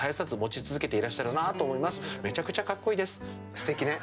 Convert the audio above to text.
すてきね。